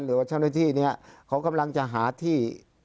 หรือว่าเจ้าหน้าที่เนี่ยเขากำลังจะหาที่